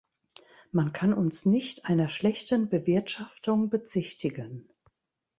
Man kann uns nicht einer schlechten Bewirtschaftung bezichtigen.